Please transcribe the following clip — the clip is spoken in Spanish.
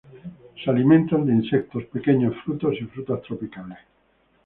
Se alimentan de insectos, pequeños frutos, y frutas tropicales.